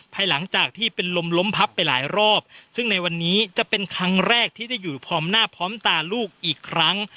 ภายหลังจากที่เป็นลมล้มพับไปหลายรอบซึ่งในวันนี้จะเป็นครั้งแรกที่ได้อยู่พร้อมหน้าพร้อมตาลูกอีกครั้ง